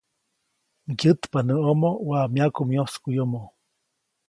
‒Ŋgyätpa näʼomo waʼa myaku myoskuʼyomo-.